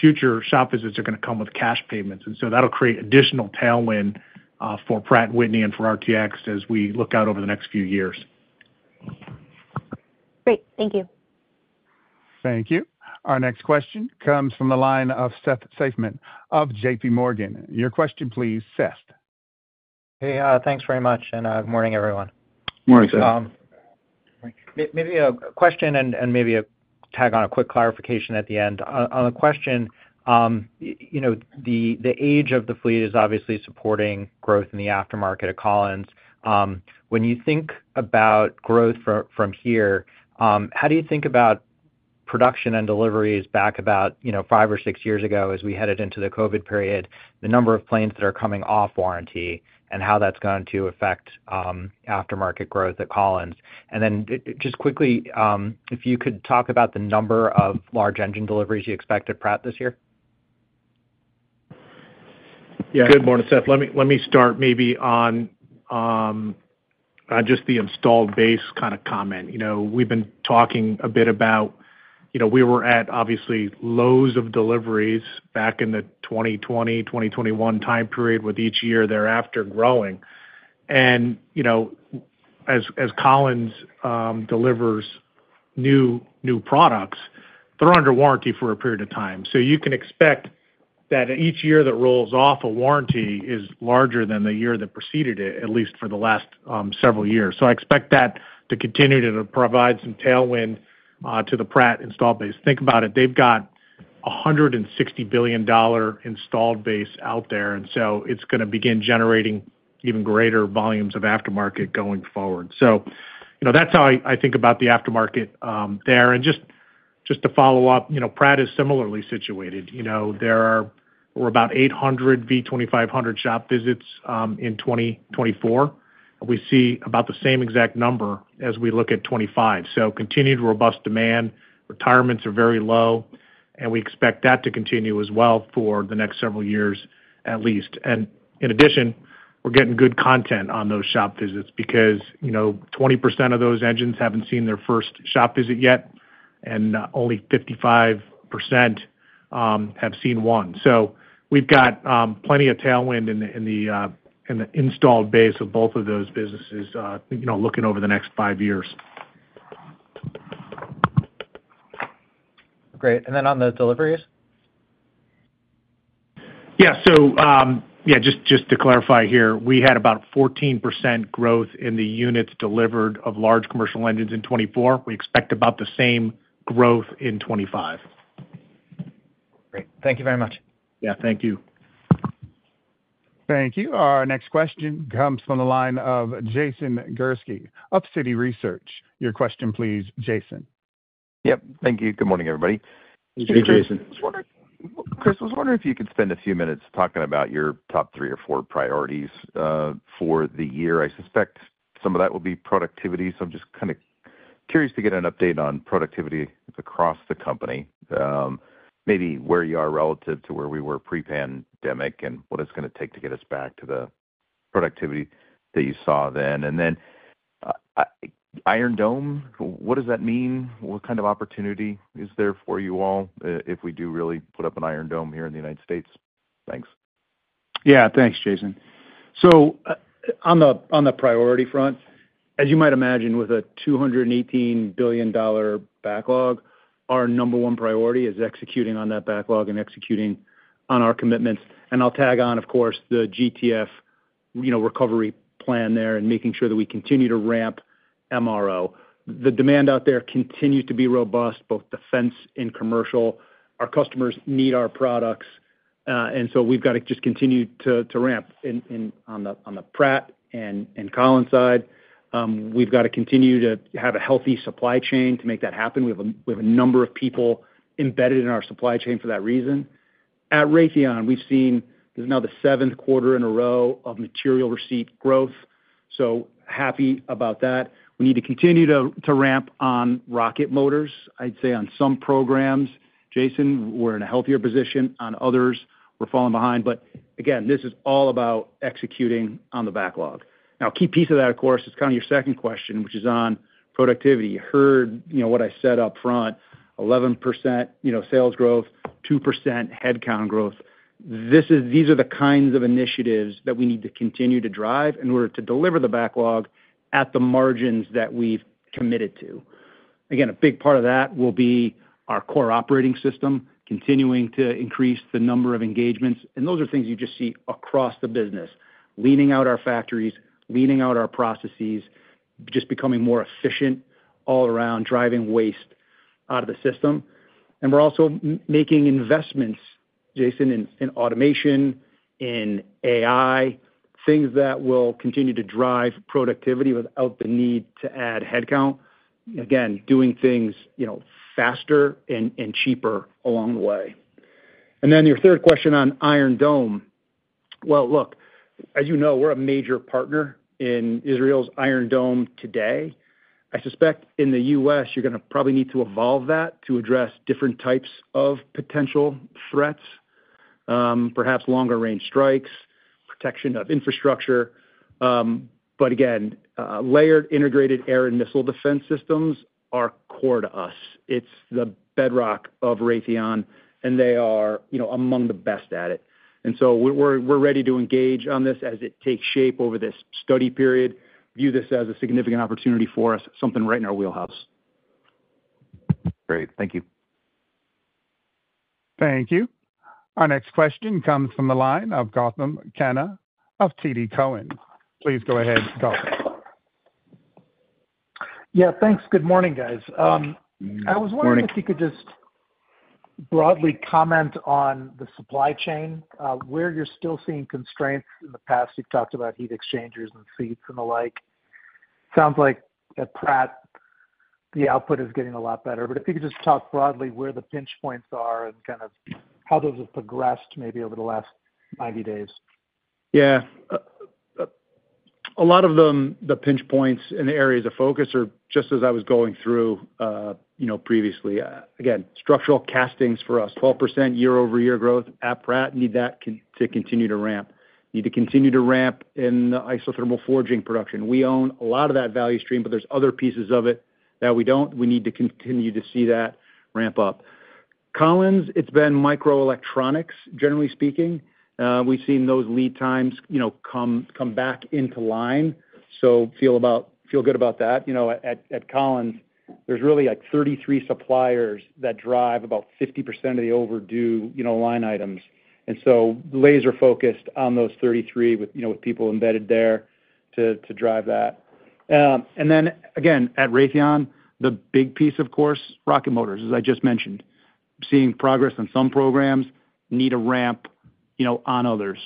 future shop visits are going to come with cash payments. And so that'll create additional tailwind for Pratt & Whitney and for RTX as we look out over the next few years. Great. Thank you. Thank you. Our next question comes from the line of Seth Seifman of JPMorgan. Your question, please, Seth. Hey, thanks very much. And good morning, everyone. Good morning, Seth. Maybe a question and maybe a tag on a quick clarification at the end. On the question, the age of the fleet is obviously supporting growth in the aftermarket at Collins. When you think about growth from here, how do you think about production and deliveries back about five or six years ago as we headed into the COVID period, the number of planes that are coming off warranty, and how that's going to affect aftermarket growth at Collins? And then just quickly, if you could talk about the number of large engine deliveries you expect at Pratt this year. Yeah. Good morning, Seth. Let me start maybe on just the installed base kind of comment. We've been talking a bit about we were at obviously lows of deliveries back in the 2020, 2021 time period with each year thereafter growing. And as Collins delivers new products, they're under warranty for a period of time. So you can expect that each year that rolls off a warranty is larger than the year that preceded it, at least for the last several years. So I expect that to continue to provide some tailwind to the Pratt installed base. Think about it, they've got a $160 billion installed base out there, and so it's going to begin generating even greater volumes of aftermarket going forward. So that's how I think about the aftermarket there. And just to follow up, Pratt is similarly situated. There are about 800 V2500 shop visits in 2024. We see about the same exact number as we look at 2025. So continued robust demand, retirements are very low, and we expect that to continue as well for the next several years at least. And in addition, we're getting good content on those shop visits because 20% of those engines haven't seen their first shop visit yet, and only 55% have seen one. So we've got plenty of tailwind in the installed base of both of those businesses looking over the next five years. Great. And then on those deliveries? Yeah. So yeah, just to clarify here, we had about 14% growth in the units delivered of Large Commercial Engines in 2024. We expect about the same growth in 2025. Great. Thank you very much. Yeah, thank you. Thank you. Our next question comes from the line of Jason Gursky of Citi Research. Your question, please, Jason. Yep. Thank you. Good morning, everybody. Hey, Jason. Chris, I was wondering if you could spend a few minutes talking about your top three or four priorities for the year. I suspect some of that will be productivity. So I'm just kind of curious to get an update on productivity across the company, maybe where you are relative to where we were pre-pandemic and what it's going to take to get us back to the productivity that you saw then. And then Iron Dome, what does that mean? What kind of opportunity is there for you all if we do really put up an Iron Dome here in the United States? Thanks. Yeah, thanks, Jason. On the priority front, as you might imagine, with a $218 billion backlog, our number one priority is executing on that backlog and executing on our commitments. I'll tack on, of course, the GTF recovery plan there and making sure that we continue to ramp MRO. The demand out there continues to be robust, both defense and commercial. Our customers need our products. We've got to just continue to ramp on the Pratt and Collins side. We've got to continue to have a healthy supply chain to make that happen. We have a number of people embedded in our supply chain for that reason. At Raytheon, we've seen there's now the seventh quarter in a row of material receipt growth. Happy about that. We need to continue to ramp on rocket motors, I'd say, on some programs. Jason, we're in a healthier position. On others, we're falling behind. But again, this is all about executing on the backlog. Now, a key piece of that, of course, is kind of your second question, which is on productivity. You heard what I said upfront: 11% sales growth, 2% headcount growth. These are the kinds of initiatives that we need to continue to drive in order to deliver the backlog at the margins that we've committed to. Again, a big part of that will be our CORE operating system, continuing to increase the number of engagements. And those are things you just see across the business: leaning out our factories, leaning out our processes, just becoming more efficient all around, driving waste out of the system. And we're also making investments, Jason, in automation, in AI, things that will continue to drive productivity without the need to add headcount. Again, doing things faster and cheaper along the way. And then your third question on Iron Dome. Well, look, as you know, we're a major partner in Israel's Iron Dome today. I suspect in the U.S., you're going to probably need to evolve that to address different types of potential threats, perhaps longer-range strikes, protection of infrastructure. But again, layered integrated air and missile defense systems are core to us. It's the bedrock of Raytheon, and they are among the best at it. And so we're ready to engage on this as it takes shape over this study period. View this as a significant opportunity for us, something right in our wheelhouse. Great. Thank you. Thank you. Our next question comes from the line of Gautam Khanna of TD Cowen. Please go ahead, Gautam. Yeah, thanks. Good morning, guys. I was wondering if you could just broadly comment on the supply chain, where you're still seeing constraints. In the past, you've talked about heat exchangers and seats and the like. Sounds like at Pratt, the output is getting a lot better. But if you could just talk broadly where the pinch points are and kind of how those have progressed maybe over the last 90 days. Yeah. A lot of the pinch points and the areas of focus are just as I was going through previously. Again, structural castings for us, 12% year-over-year growth at Pratt, need that to continue to ramp. Need to continue to ramp in the isothermal forging production. We own a lot of that value stream, but there's other pieces of it that we don't. We need to continue to see that ramp up. Collins, it's been microelectronics, generally speaking. We've seen those lead times come back into line. So feel good about that. At Collins, there's really like 33 suppliers that drive about 50% of the overdue line items. And so laser-focused on those 33 with people embedded there to drive that. And then again, at Raytheon, the big piece, of course, rocket motors, as I just mentioned. Seeing progress on some programs need a ramp on others.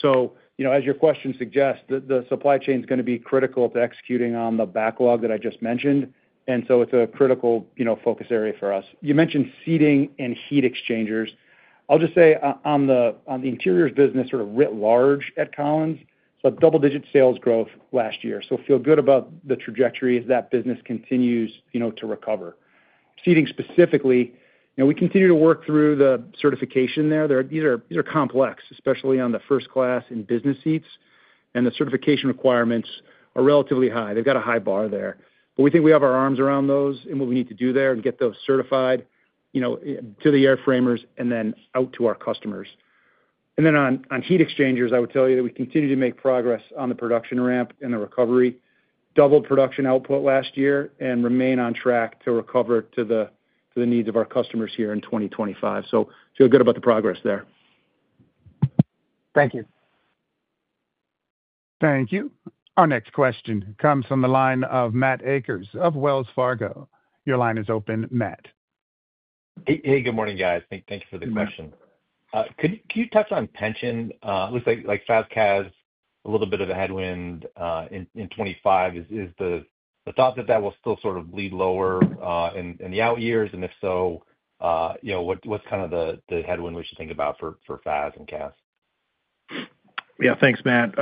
So as your question suggests, the supply chain is going to be critical to executing on the backlog that I just mentioned. And so it's a critical focus area for us. You mentioned seating and heat exchangers. I'll just say on the interiors business sort of writ large at Collins, it's a double-digit sales growth last year. So feel good about the trajectory as that business continues to recover. Seating specifically, we continue to work through the certification there. These are complex, especially on the first-class and business seats. And the certification requirements are relatively high. They've got a high bar there. But we think we have our arms around those and what we need to do there and get those certified to the airframers and then out to our customers. And then on heat exchangers, I would tell you that we continue to make progress on the production ramp and the recovery, doubled production output last year, and remain on track to recover to the needs of our customers here in 2025. So feel good about the progress there. Thank you. Thank you. Our next question comes from the line of Matt Akers of Wells Fargo. Your line is open, Matt. Hey, good morning, guys. Thank you for the question. Can you touch on pension? It looks like FAS/CAS has a little bit of a headwind in 2025. Is the thought that that will still sort of bleed lower in the out years? And if so, what's kind of the headwind we should think about for FAS and CAS? Yeah, thanks, Matt.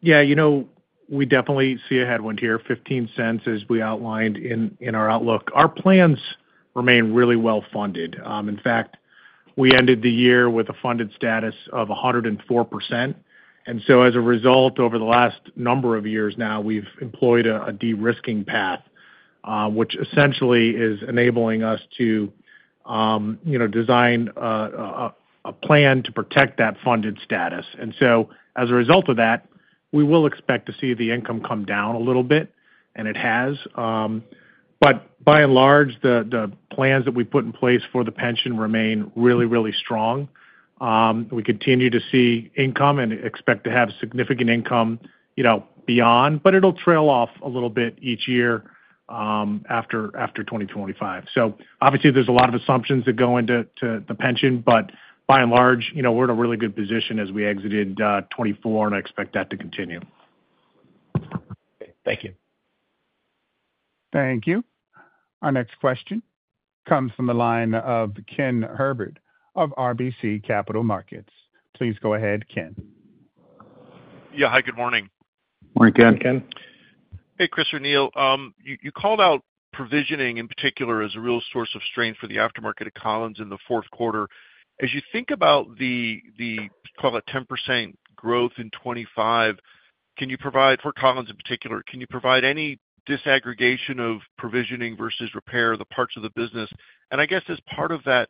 Yeah, we definitely see a headwind here. $0.15, as we outlined in our outlook. Our plans remain really well funded. In fact, we ended the year with a funded status of 104%. And so as a result, over the last number of years now, we've employed a de-risking path, which essentially is enabling us to design a plan to protect that funded status. And so as a result of that, we will expect to see the income come down a little bit, and it has. But by and large, the plans that we put in place for the pension remain really, really strong. We continue to see income and expect to have significant income beyond, but it'll trail off a little bit each year after 2025. So obviously, there's a lot of assumptions that go into the pension, but by and large, we're in a really good position as we exited 2024, and I expect that to continue. Thank you. Thank you. Our next question comes from the line of Ken Herbert of RBC Capital Markets. Please go ahead, Ken. Yeah, hi, good morning. Morning, Ken. Hey, Chris or Neil. You called out provisioning in particular as a real source of strain for the aftermarket at Collins in the fourth quarter. As you think about the, call it 10% growth in 2025, can you provide for Collins in particular, can you provide any disaggregation of provisioning versus repair of the parts of the business? And I guess as part of that,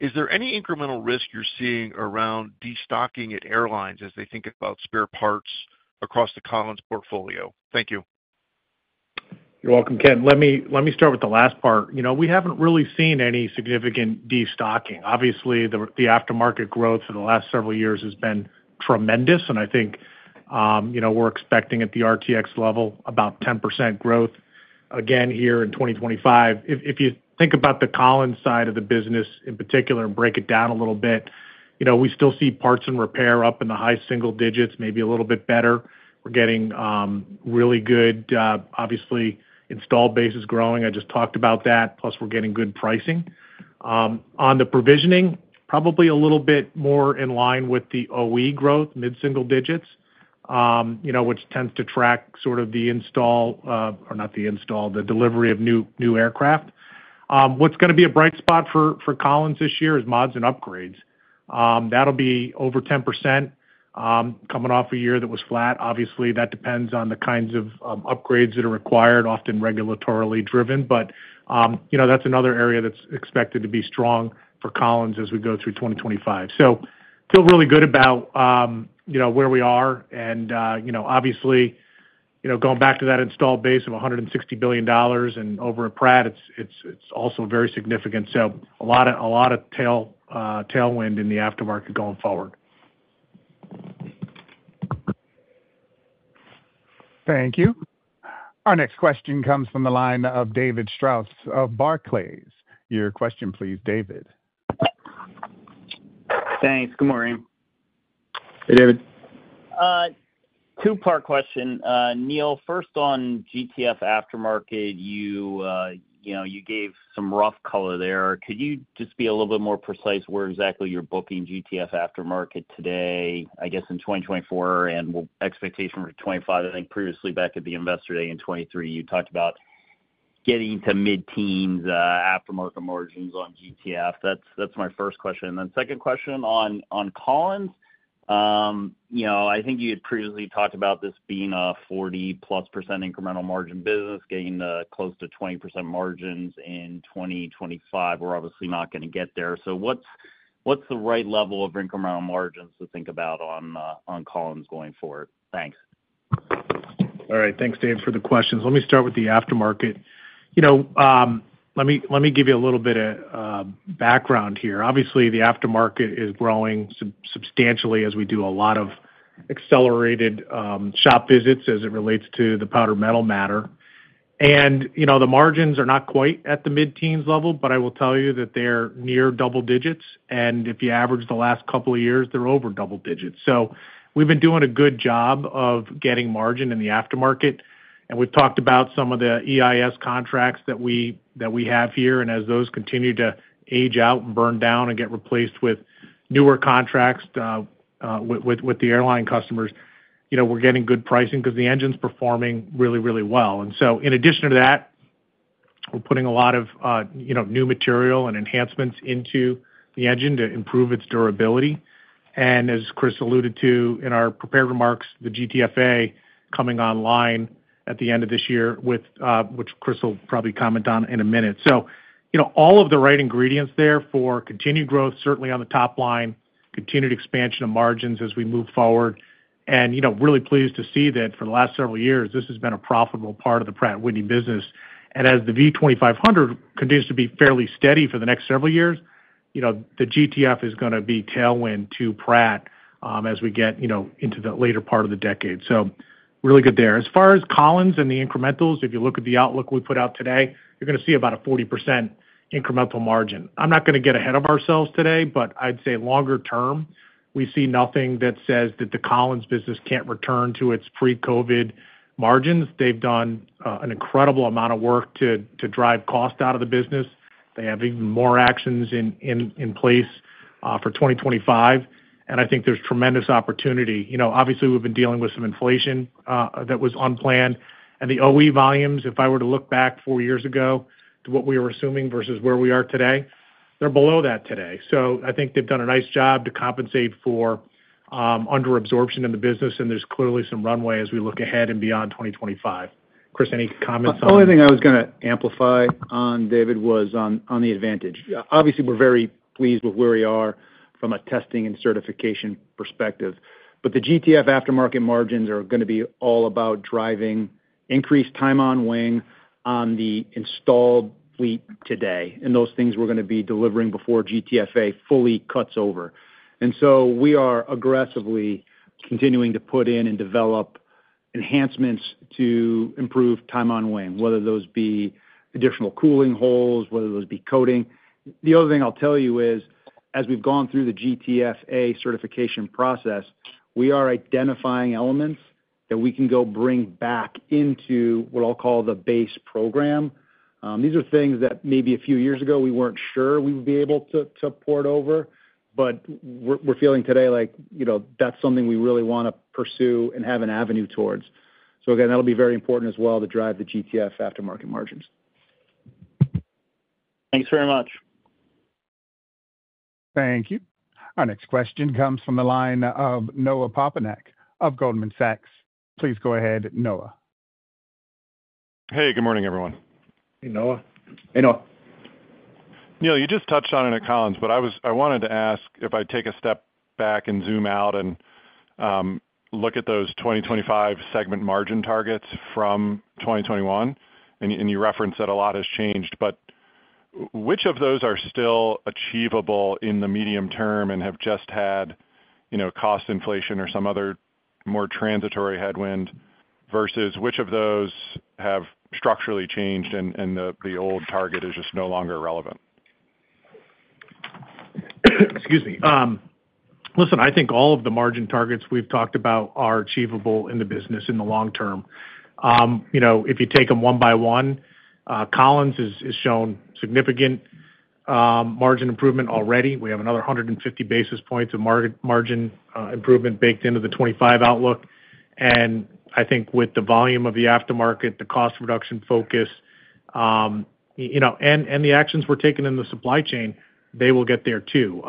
is there any incremental risk you're seeing around destocking at airlines as they think about spare parts across the Collins portfolio? Thank you. You're welcome, Ken. Let me start with the last part. We haven't really seen any significant destocking. Obviously, the aftermarket growth for the last several years has been tremendous, and I think we're expecting at the RTX level about 10% growth again here in 2025. If you think about the Collins side of the business in particular and break it down a little bit, we still see parts and repair up in the high single digits, maybe a little bit better. We're getting really good, obviously, installed bases growing. I just talked about that. Plus, we're getting good pricing. On the provisioning, probably a little bit more in line with the OE growth, mid-single digits, which tends to track sort of the install or not the install, the delivery of new aircraft. What's going to be a bright spot for Collins this year is mods and upgrades. That'll be over 10% coming off a year that was flat. Obviously, that depends on the kinds of upgrades that are required, often regulatorily driven. But that's another area that's expected to be strong for Collins as we go through 2025. So feel really good about where we are. And obviously, going back to that installed base of $160 billion and over at Pratt, it's also very significant. So a lot of tailwind in the aftermarket going forward. Thank you. Our next question comes from the line of David Strauss of Barclays. Your question, please, David. Thanks. Good morning. Hey, David. Two-part question. Neil, first, on GTF aftermarket, you gave some rough color there. Could you just be a little bit more precise where exactly you're booking GTF aftermarket today, I guess, in 2024 and expectation for 2025? I think previously back at the Investor Day in 2023, you talked about getting to mid-teens aftermarket margins on GTF. That's my first question. And then second question on Collins, I think you had previously talked about this being a 40%+ incremental margin business, getting close to 20% margins in 2025. We're obviously not going to get there. So what's the right level of incremental margins to think about on Collins going forward? Thanks. All right. Thanks, David, for the questions. Let me start with the aftermarket. Let me give you a little bit of background here. Obviously, the aftermarket is growing substantially as we do a lot of accelerated shop visits as it relates to the powder metal matter. And the margins are not quite at the mid-teens level, but I will tell you that they're near double digits. And if you average the last couple of years, they're over double digits. So we've been doing a good job of getting margin in the aftermarket. And we've talked about some of the EIS contracts that we have here. And as those continue to age out and burn down and get replaced with newer contracts with the airline customers, we're getting good pricing because the engine's performing really, really well. And so in addition to that, we're putting a lot of new material and enhancements into the engine to improve its durability. And as Chris alluded to in our prepared remarks, the GTF Advantage coming online at the end of this year, which Chris will probably comment on in a minute. So all of the right ingredients there for continued growth, certainly on the top line, continued expansion of margins as we move forward. And really pleased to see that for the last several years, this has been a profitable part of the Pratt & Whitney business. And as the V2500 continues to be fairly steady for the next several years, the GTF is going to be tailwind to Pratt as we get into the later part of the decade. So really good there. As far as Collins and the incrementals, if you look at the outlook we put out today, you're going to see about a 40% incremental margin. I'm not going to get ahead of ourselves today, but I'd say longer term, we see nothing that says that the Collins business can't return to its pre-COVID margins. They've done an incredible amount of work to drive cost out of the business. They have even more actions in place for 2025. And I think there's tremendous opportunity. Obviously, we've been dealing with some inflation that was unplanned. And the OE volumes, if I were to look back four years ago to what we were assuming versus where we are today, they're below that today. So I think they've done a nice job to compensate for under-absorption in the business. And there's clearly some runway as we look ahead and beyond 2025. Chris, any comments on that? The only thing I was going to amplify on, David, was on the advantage. Obviously, we're very pleased with where we are from a testing and certification perspective. But the GTF aftermarket margins are going to be all about driving increased time on wing on the installed fleet today. And those things we're going to be delivering before GTFA fully cuts over. And so we are aggressively continuing to put in and develop enhancements to improve time on wing, whether those be additional cooling holes, whether those be coating. The other thing I'll tell you is, as we've gone through the GTFA certification process, we are identifying elements that we can go bring back into what I'll call the base program. These are things that maybe a few years ago we weren't sure we would be able to port over. But we're feeling today like that's something we really want to pursue and have an avenue towards. So again, that'll be very important as well to drive the GTF aftermarket margins. Thanks very much. Thank you. Our next question comes from the line of Noah Poponak of Goldman Sachs. Please go ahead, Noah. Hey, good morning, everyone. Hey, Noah. Hey, Noah. Neil, you just touched on it at Collins, but I wanted to ask if I take a step back and zoom out and look at those 2025 segment margin targets from 2021. And you referenced that a lot has changed. But which of those are still achievable in the medium term and have just had cost inflation or some other more transitory headwind versus which of those have structurally changed and the old target is just no longer relevant? Excuse me. Listen, I think all of the margin targets we've talked about are achievable in the business in the long term. If you take them one by one, Collins has shown significant margin improvement already. We have another 150 basis points of margin improvement baked into the 2025 outlook. And I think with the volume of the aftermarket, the cost reduction focus, and the actions we're taking in the supply chain, they will get there too.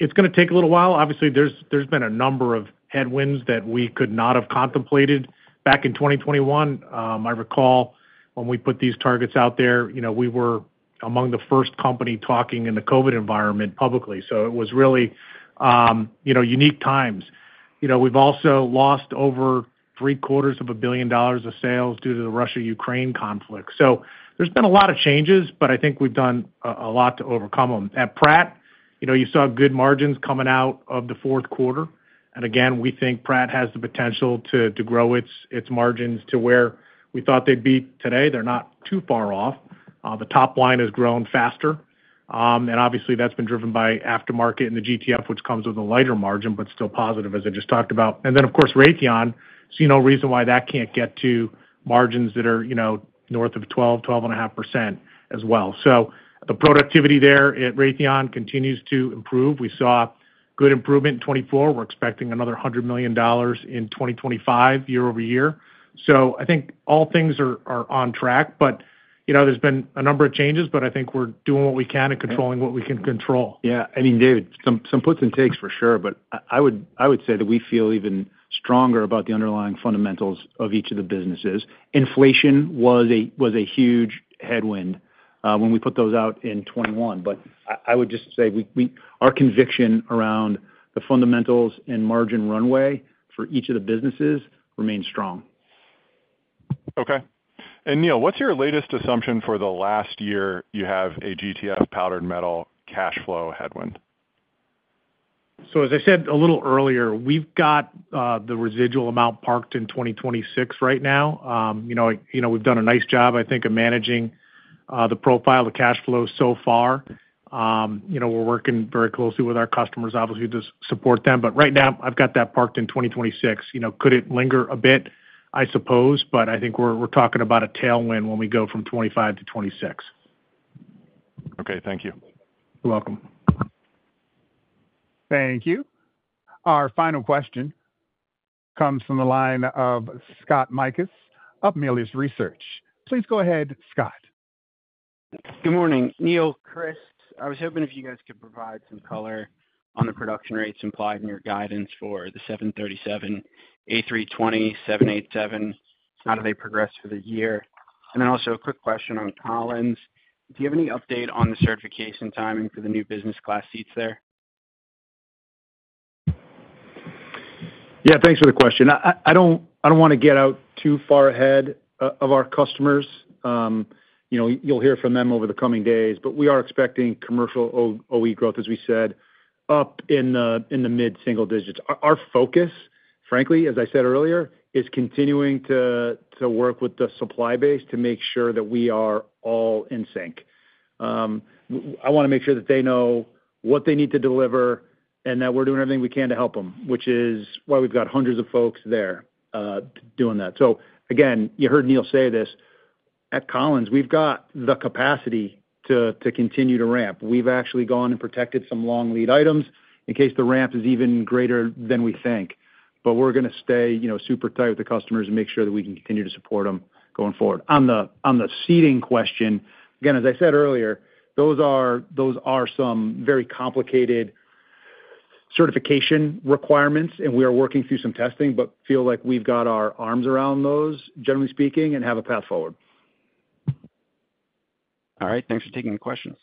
It's going to take a little while. Obviously, there's been a number of headwinds that we could not have contemplated back in 2021. I recall when we put these targets out there, we were among the first companies talking in the COVID environment publicly. So it was really unique times. We've also lost over $750 million of sales due to the Russia-Ukraine conflict. So there's been a lot of changes, but I think we've done a lot to overcome them. At Pratt, you saw good margins coming out of the fourth quarter. And again, we think Pratt has the potential to grow its margins to where we thought they'd be today. They're not too far off. The top line has grown faster. And obviously, that's been driven by aftermarket and the GTF, which comes with a lighter margin, but still positive, as I just talked about. And then, of course, Raytheon. I see no reason why that can't get to margins that are north of 12%-12.5% as well. So the productivity there at Raytheon continues to improve. We saw good improvement in 2024. We're expecting another $100 million in 2025, year-over-year. So I think all things are on track. But there's been a number of changes, but I think we're doing what we can and controlling what we can control. Yeah. I mean, David, some puts and takes for sure, but I would say that we feel even stronger about the underlying fundamentals of each of the businesses. Inflation was a huge headwind when we put those out in 2021. But I would just say our conviction around the fundamentals and margin runway for each of the businesses remains strong. Okay. And Neil, what's your latest assumption for the last year you have a GTF powder metal cash flow headwind? So as I said a little earlier, we've got the residual amount parked in 2026 right now. We've done a nice job, I think, of managing the profile of cash flow so far. We're working very closely with our customers, obviously, to support them. But right now, I've got that parked in 2026. Could it linger a bit, I suppose, but I think we're talking about a tailwind when we go from 2025 to 2026. Okay. Thank you. You're welcome. Thank you. Our final question comes from the line of Scott Mikus of Melius Research. Please go ahead, Scott. Good morning. Neil, Chris, I was hoping if you guys could provide some color on the production rates implied in your guidance for the 737, A320, 787, how do they progress for the year? And then also a quick question on Collins. Do you have any update on the certification timing for the new business class seats there? Yeah, thanks for the question. I don't want to get out too far ahead of our customers. You'll hear from them over the coming days. But we are expecting Commercial OE growth, as we said, up in the mid-single digits. Our focus, frankly, as I said earlier, is continuing to work with the supply base to make sure that we are all in sync. I want to make sure that they know what they need to deliver and that we're doing everything we can to help them, which is why we've got hundreds of folks there doing that. So again, you heard Neil say this, at Collins, we've got the capacity to continue to ramp. We've actually gone and protected some long lead items in case the ramp is even greater than we think. But we're going to stay super tight with the customers and make sure that we can continue to support them going forward. On the seating question, again, as I said earlier, those are some very complicated certification requirements. And we are working through some testing, but feel like we've got our arms around those, generally speaking, and have a path forward. All right. Thanks for taking the questions.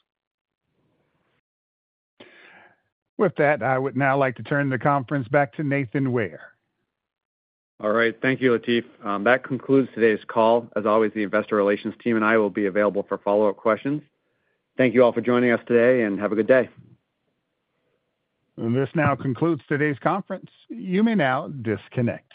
With that, I would now like to turn the conference back to Nathan Ware. All right. Thank you, Latif. That concludes today's call. As always, the investor relations team and I will be available for follow-up questions. Thank you all for joining us today and have a good day. This now concludes today's conference. You may now disconnect.